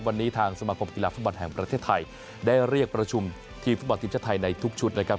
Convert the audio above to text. วันนี้ทางสมาคมกีฬาฟุตบอลแห่งประเทศไทยได้เรียกประชุมทีมฟุตบอลทีมชาติไทยในทุกชุดนะครับ